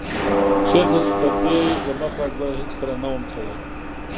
چيرته چي تر دي دمخه زه هيڅکله نه وم تللی